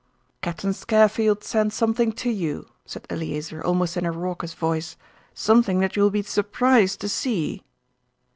"Captain Scarfield sent something to you," said Eleazer, almost in a raucous voice, "something that you will be surprised to see."